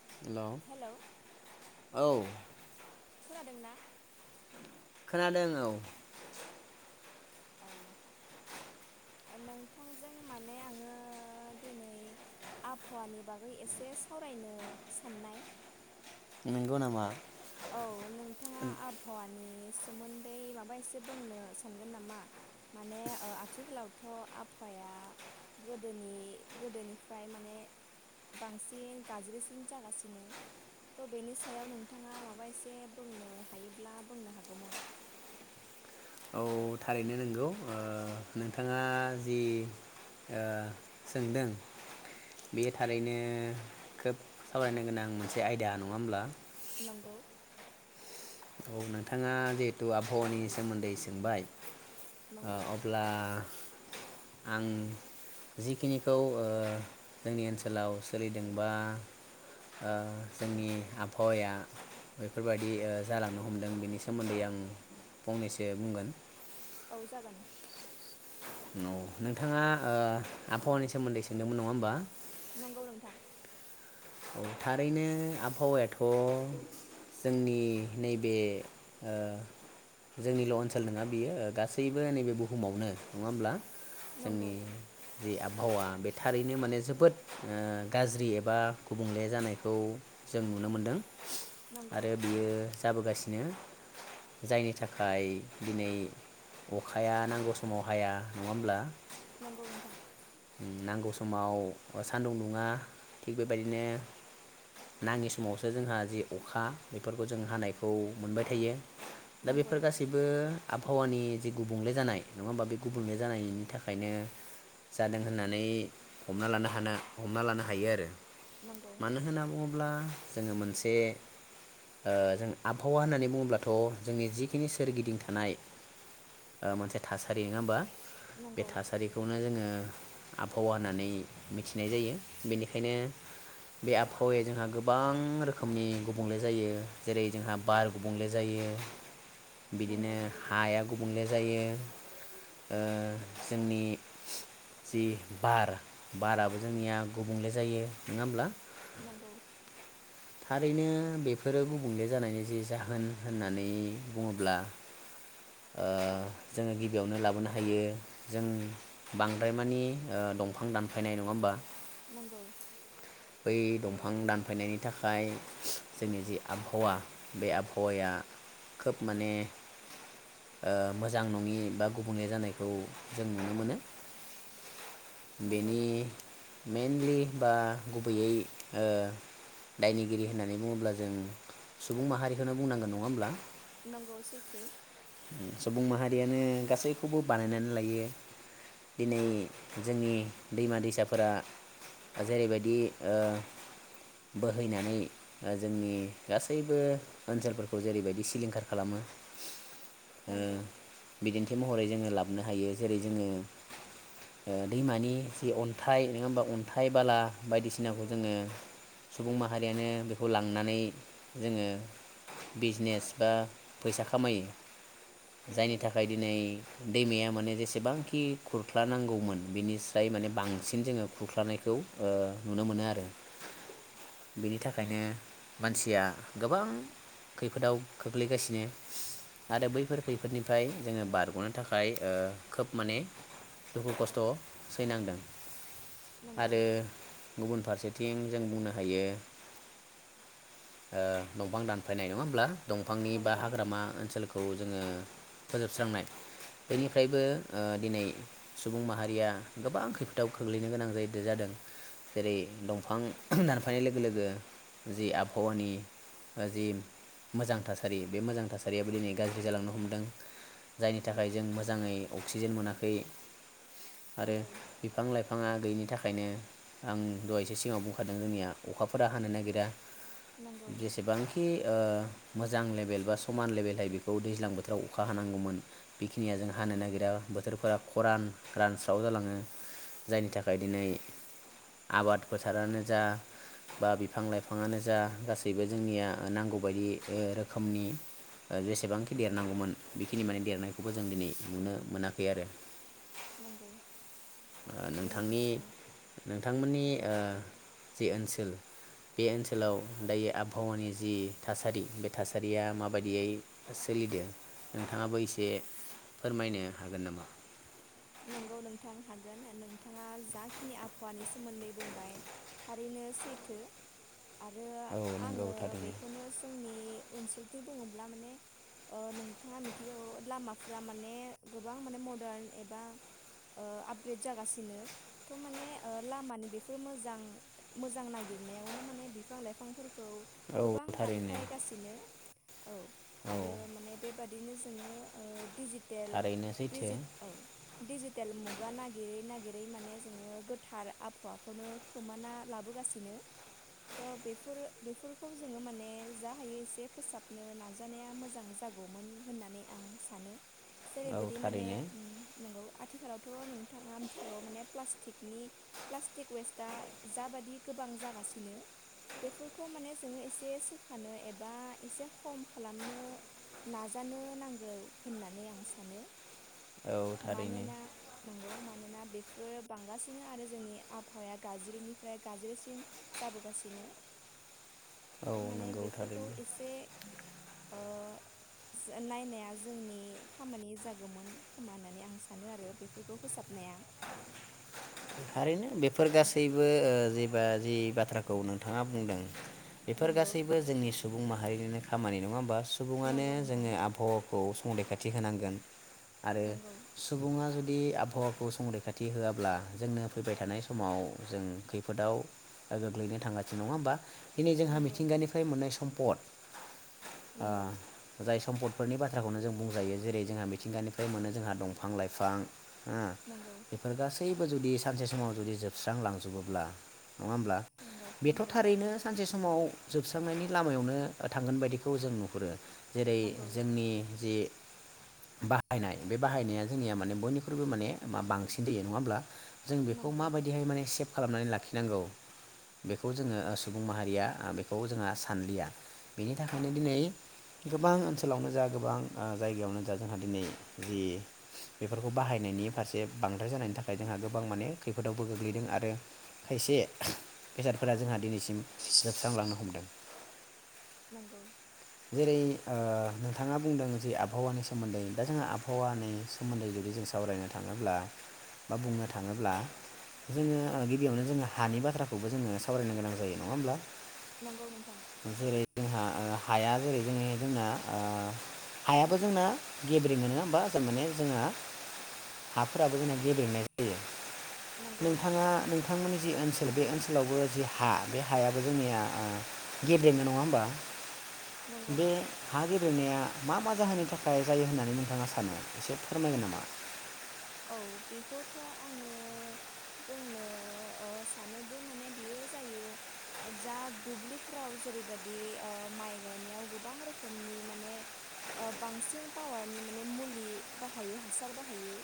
हेल', hello औ। खोनादों ना? खोनादों औ। औ। नोंथांजों माने आङो दिनै आबहावानि बागै एसे सावरायनो साननाय। नंगौ नामा? औ नोंथाङा आबहावानि सोमोन्दै माबा एसे बुंनो सानगोन नामा? माने ओ आथिखालाव थ' आबहावाया गोदोनि गोदोनिफ्राय माने बांसिन गाज्रिसिन जागासिनो थ' बेनि सायाव नोंथाङा माबा बा एसे बुंनो हायोब्लानो बुंनो हागौमोन। औ थारैनो नोंगौ ओ नोंथाङा जि ओ सोंदों बे थारैनो खोब सावरायनो गोनां मोनसे आयदा नङा होमब्ला? नंगौ औ नोंथाङा जिहेथु आबहावानि सोमोन्दै सोंबाय ओ नंगौ अब्ला आं जिखिनिखौ ओ जोंनि ओनसोलाव सोलिदों बा ओ जोंनि आबहावाया बेफोरबायदि ओ जालांनो हमदों बेनि सोमोन्दै आं फंनैसो बुंगोन। औ जागोन औ नोंथाङा ओ आबहावानि सोमोन्दै सोंदोंमोन नङा होमबा? नंगौ नोंथां औ थारैनो आबहावायाथ' जोंनि नैबे जोंनिल' ओनसोल नङा बियो गासैबो नैबे बुहुमावनो नङा होमब्ला? नंगौ जोंनि जि आबहावा बे थारैनो माने जोबोद ओ गाज्रि एबा गुबुंले जानायखौ जों नुनो मोन्दों। नंगौ आरो बियो जाबोगासिनो नो जायनि थाखाय दिनै अखाया नांगौ समाव हाया नङा होमब्ला? नंगौ नोंथां नांगौ समाव सान्दुं दुङा थिग बे बेबायदिनो नाङि समावसो जोंहा जि अखा बेफोरखौ जों हानायखौ मोनबाय थायो। दा नंगौ बेफोर गासैबो आबहावानि जे गुबुंले जानाय नङा होमबा बे गुबुंले जानायनि थाखायनो जादों होननानै हमना लानो हानो हमना लानो हायो आरो। नंगौ मानो होनना बुङो ब्ला जोङो मोनसे ओ जों आबहावा होननानै बुङोब्लाथ' जोंनि जिखिनि सोरगिदिं थानाय ओ मोनसे थासारि नङा होमबा? बे नंगौ थासारिखौनो जोङो ओ आबहावा होननानै मिथिनाय जायो बेनिखायनो बे आबहावाया जोंहा गोबां रोखोमनि गुबुंले जायो जेरै जोंहा बार गुबुंले जायो बिदिनो नंगौ हाया गुबुंले जायो ओ जोंनि जि बार बाराबो जोंनिया गुबुंले जायो नङा होमब्ला? नंगौ थारैनो बेफोरो गुबुंले जानायनि जि जाहोन होननानै बुङोब्ला ओ जोङो गिबियावनो लाबोनो हायो जों बांद्राय मानि ओ दंफां दानफायनाय नङा होमबा? नंगौ बै दंफां दानफायनायनि‌ नि थाखाय जोंनि जि आबहावा बे आबहावाया खोब माने ओ मोजां नङि बा गुबुंले जानायखौ जों नुनो मोनो। नंगौ बेनि मेइनलि बा गुबैयै ओ दायनिगिरि होननानै बुङोब्ला जों सुबुं माहारिखौनो बुंनांगोन। नङा होमब्ला? नंगौ सैथो। सुबुं माहारियानो गासैखौबो बानायनानै लायो। दिनै जोंनि दैमा दैसाफोरा जेरैबायदि ओ बोहैनानै जोंनि गासैबो ओनसोलफोरखौ जेरैबायदि सिलिंखार खालामो। नंगौ उम बिदि [unintelligible] महरै जोङो लाबनो हायो जेरै जोङो ओ दैमानि जि अन्थाइ नोङा होमबा अन्थाइ बाला। बायदिसिनाखौ नंगौ जोङो सुबुं माहारियानो बेखौ लांनानै जोङो बिजिनेस बा फैसा खामायो। जायनि नंगौ थाखाय दिनै दैमाया माने जेसेबांखि खुरख्ला नांगौमोन बिनिस्राय माने बांसिन जोङो खुरख्लानायखौ ओ नुनो मोनो आरो बेनि थाखायनो मानसिया गोबां खैफोदाव खोख्लैगासिनो आरो बैफोर खैफोदनिफ्राय जोङो बारग'नो थाखाय ओ खोब माने दुखु खस्थ' सैनांदों। नंगौ आरो गुबुन फारसे थिं जों बुंनो हायो ओ दंफां दानफायनाय नङा होमब्ला दंफांनि बा नंगौ हाग्रामा ओनसोलखौ जोङो फोजोबस्रांनाय। बेनिफ्रायबो ओ दिनै सुबुं माहारिया गोबां खैफोदाव खोख्लैनो गोनां जायो जादों जेरै दंफां दानफायनाय लोगो लोगो जि आबहावानि जि मोजां थासारि बे मोजां थासारियाबो दिनै गाज्रि जालांनो हमदों। जायनि थाखाय नंगौ जों मोजाङै अक्सिजेन मोना खै। आरो नंगौ बिफां लाइफाङा गैयिनि था खायनो आं दहायसो सिगाङाव बुं खादों जोंनिया अखाफोरा हानो नागिरा। नंगौ जेसेबांखि ओ मोजां लेबेल बा समान लेबेलहाय बेखौ दैज्लां बोथोराव अखा हानांगौमोन बिखिनिया जों हानो नागिरा बोथोरफोरा खरान रानस्राव जालाङो जायनि थाखाय दिनै आबाद फोथारानो जा बा बिफां लाइफाङानो जा गासैबो जोंनिया नांगौ बायदि ओ रोखोमनि ओ जेसेबांखि देरनांगौमोन बिखिनि माने देरनायखौबो जों दिनै नुनो मोनाखै आरो। नंगौ ओ नोंथा नोंथांनि औ नोंथांमोननि ओ जि ओनसोल बे ओनसोलाव दायो आभावानि जि थासारि बे थासारिया माबायदियै सोलिदो नोंथाङाबो इसे फोरमायनो हागोन नामा। नंगौ नोंथां हागोन नोंथाङा जाखिनि आभावानि सोमोन्दै बुंबाय थारैनो सैथो। आरो औ नंगौ आङो थारैनो बेखौनो सोंनि ओनसोल [unintelligible] बुङोब्ला माने ओ नोंथाङा मिथिगौ लामाफोरा माने गोबां माने मदार्न ए बा ओ आपग्रेड जागासिनो थ माने ओ लामानि बेफोर मोजां मोजां नागिरनायावनो माने बिफां लाइफांफोर खौ औ गोबां थारैनो दानफायगासिनो औ औ आरो माने बेबादिनो जोङो दिजिटेल थारैनो सैथो दिजिद औ। दिडिजिटेल मुगा नागिरै नागिरै माने जोङो गोथार आभावाखौनो खोमाना लाबोगासिनो त बेफोरो बेफोरखौ जोङो माने जा हायो एसे फोसाबनो नाजानाया मोजां जागौमोन होननानै आं सानो। औ जेरैबादि माने थारैनो उम आथिखालावथ नोंथाङा मिथिखागौ माने प्लास्टिकनि प्लास्टिक वेस्टआ जाबादि गोबां जागासिनो बेफोरखौ माने जोङो एसे सोखानो एबा एसे खम खालामनो नाजानो नांगौ होननानै आं सानो। औ थारैनो मानोना नंगौ मा नोना बेफोरो बांगासिनो आरो जोंनि आबहावाया गाज्रिनिफ्राय गाज्रिसिन जाबोगासिनो। औ तामाने नंगौ बेफोरखौ थारैनो इसे ओ सो नायनाया जोंनि खामानि जागोमोन। खोमा होननानै आं सानो आरो बेफोरखौ फोसाबनाया। थारैनो बेफोर गासैबो ओ जेबा जि बाथ्राखौ नोंथाङा बुंदों। बेफोर नंगौ गासैबो जोंनि सुबुं माहारिनिनो खामानि नङा ओमबा? सुबुङानो नंगौ नोंथां जोङो आबहावाखौ संरैखाथि होनांगोन। आरो नंगौ सुबुङा जु [unintelligible] आबहावाखौ संरैखाथि होआब्ला जोंनो फैबाय थानाय समाव जों खैफोदाव गोग्लैनो थांगासिनो नङा ओमबा? दिनै जोंहा नंगौ मिथिंगानिफाय मोननाय सम्पद नंगौ ओ जाय सम्पत फोरनि बाथ्राखौनो जों बुंजायो जेरै जोंहा मिथिंगानिफ्राय मोनो जोंहा दंफां लाइफां ओ नंगौ बेफोर गासै बो जुदि सानसे समाव जुदि जोबस्रांलांजोबोब्ला नङा ओमब्ला नंगौ बेथ नंगौ थारैनो सानसे समाव जोबस्रांनायनि लामायावनो थांगोन बायदिखौ जों नुहुरो। जेरै नंगौ जोंनि जि बाहायनाय बे बाहायनाया जोंनिया माने बयनिख्रुइबो माने बांसिन दैयो नङा ओमब्ला? जों बेखौ नंगौ माबायदिहाय माने सेफ खालामनानै लाखिनांगौ बेखौ जोङो ओ सुबुं माहारिया बेखौ जोंहा सानलिया बेनि थाखायनो दिनै गोबां ओनसोलावनो जा गोबां ओ जायगायावनो जा जोंहा दिनै जि बेफोरखौ बाहायनायनि फारसे बांद्राय जानायनि थाखाय हाय जोंहा गोबां माने खैफोदावबो गोग्लैदों आरो खायसे बेसादफोरा जोंहा दिनैसि जोबस्रांलांनो हमदों। नंगौ जेरै ओ नोंथाङा बुंदों जे आबहावानि सोमोन्दै दा जोंहा आबहावानि सोमोन्दै जुदि जों सावरायनो थाङोब्ला बा बुंनो थाङोब्ला जोङो ओ गिबियावनो जोङो हानि बाथ्राखौबो जोङो सावरायनो गोनां जायो नङा होमब्ला। नंगौ नोंथां। ओ हाया जेरै जों जोंना ओ हायाबो जोंना गेब्रेङो नोङा ओमबा तारमाने जोंहा हाफोराबो जोंना गेब्रेनाय नंगौ नोंथाङा नोंथांमोननि जि ओनसो सोल बे ओनसोलावबो जि हा बे हायाबो जोंनिया ओ गेब्रेङो नङा ओमबा? नंगौ बे हा गेब्रेंनाया मा मा जाहोननि थाखाय जायो होननानै नोंथाङा सानो एसे फोरमायगोन नामा। औ बेखौथ' आङो बुंनो ओ सानोदि माने बेयो जायो जा दुब्लिफोराव जेरैबदि ओ माइ गायनायाव गोबां रोखोमनि माने ओ बांसिन पावारनि माने मुलि बाहायो हासार बाहायो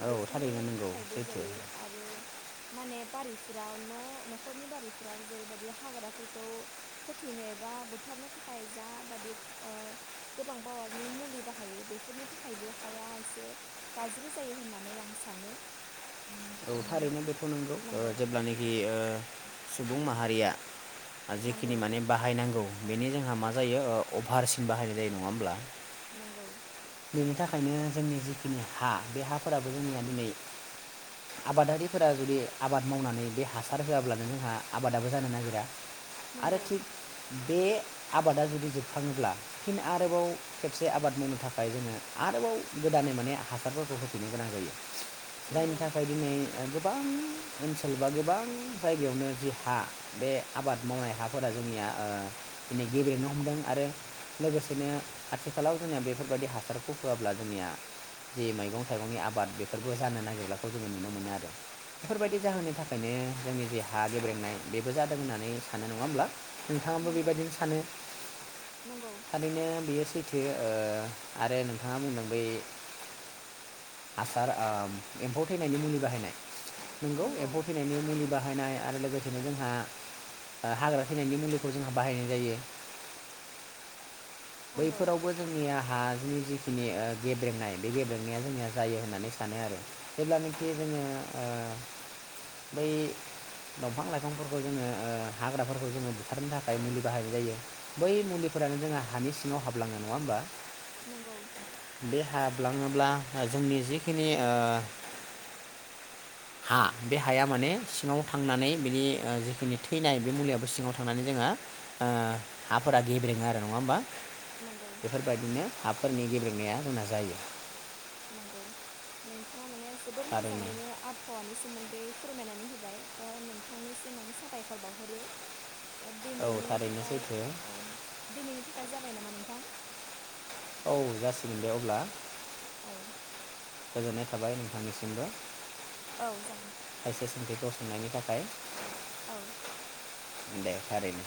औ बेफोरनि थारैनो नंगौ थाखायबो सैथो जायो औ आरो माने बारिफोराव न'-न'खरनि बारिफोराव जेरैबायदि हाग्राफोरखौ फोथैनो एबा बुथारनो थाखाय जाबादि ओ गोबां पावारनि मुलि बाहायो बेफोरनि थाखायबो हाया एसे गाज्रि जायो होनना नै आं सानो। औ थारैनो बे नंगौ जेब्लानोखि ओ सुबुं माहारिया नंगौ जिखिनि माने बाहायनांगौ बेनि जोंहा मा जायो ओ अभारसिन बाहायनाय जायो नङा होमब्ला। नंगौ बेनि थाखायनो जोंनि जिखिनि हा बे हाफोराबो जोंनिया दिनै आबादारिफोरा जुदि आबाद मावनानै बे हासार होआब्लानो जोंहा आबादाबो जानो नागिरा। आरो नंगौ थिक बे आबादा जुदि जोबखाङोब्ला फिन आरोबाव खेबसे आबाद मावनो था खाय जोंङो आरोबाव गोदानै माने हासारफोरखौ होफिननो गोनां जायो। जायनि नंगौ थाखाय दिनै गोबां ओनसोल बा गोबां जायगायावनो जि हा बे आबाद मावनाय हाफोरा जोंनिया ओ दिनै गेब्लेनो हमदों आरो लोगोसेनो आथिखालाव जोंङो बे फोरबायदि हासारखौ होआब्ला जोंनिया जे मैगं थाइगंनि आबाद बेफोरबो जानो नागिर्लाखौ जोंङो नुनो मोनो आरो। बेफोरबायदि नंगौ जाहोननि थाखायनो जोंनि जे हा गेब्रेेंनाय बेबो जादों होननानै सानो नङा होमब्ला। नोंथाङाबो नंगौ बेबायदिनो सानो नंगौ नंगौ थारैनो बेयो सै बे ओ आरो नोंथाङा बुंदों बै हासार ओ एम्फौ थैनायनि मुलि बाहायनाय नोंगौ नंगौ एम्फौ थैनायनि मुलिबा हायनाय आरो लोगोसेनो जों हाग्रा थैनायनि मुलि जोंहा बाहायनाय जायो बैफोरावबो जोंनिया हानि जिखिनि ओ गेब्रेंनाय बे गेब्रेंनाया जोंनिया जायो होननानै सानो आरो जेब्लानाखि जोंङो ओ बै दंफां लाइफांफोरखौ जोंङो ओ हाग्राफोरखौ जोंङो बुथारनो थाखाय मुलि बाहायनाय जायो बै मुलिफोरानो जोंहा हानि सिङाव हाबलाङो नङा होमबा नंगौ बे हाब लाङोब्ला जोंनि जिखिनि हा बे हाया माने सिङाव थांनानै बिनि जिखिनि थैनाय बे मुलियो सिङाव थांनानै जोंहा हाफोरा गेब्रेङो आरो नङा होमबा नंगौ बेफोरबायदिनो हाफोरनि गेब्रेंनाया जोंना जायो। नंगौ नोंथाङा माने जोबोर थारैनो मोजाङैनो आबहावानि सोमोन्दै फोरमायनानै होबाय थ' नोंथांनिसिम आं साबायखर बावहरो दा औ दिनैनि थारैनो थाखाय सैथो औ दिनैनि थाखाय जाबाय नामा नोंथां औ जासिगोन दे अब्ला औ गोजोननाय थाबाय नोंथांनिसिमबो। औ जागोन। बे [unintelligible] थाखाय औ दे थारैनो।